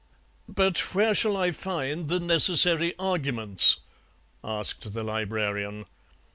"'But where shall I find the necessary arguments?' asked the Librarian.